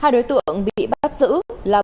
hai đối tượng bị bắt giữ là